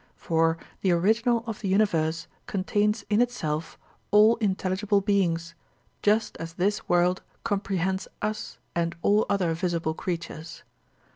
For the original of the universe contains in itself all intelligible beings, just as this world comprehends us and all other visible creatures.